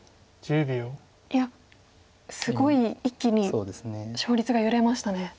いやすごい一気に勝率が揺れましたね。